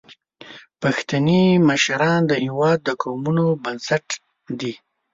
پښتني مشران د هیواد د قومونو بنسټ دي.